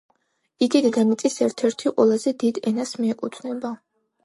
იგი დედამიწის ერთ-ერთ ყველაზე დიდ ენას მიეკუთვნება.